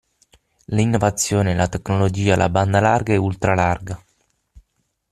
L'innovazione, la tecnologia, la banda larga e ultra-larga.